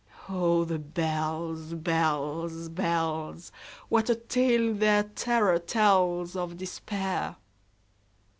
Oh, the bells, bells, bells! What a tale their terror tellsOf Despair!